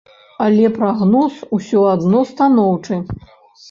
Але прагноз усё адно станоўчы.